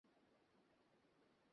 পরে সুপারশপে দেখা করছি তোমাদের সাথে।